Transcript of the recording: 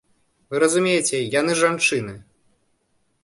Вы разумееце, яны жанчыны!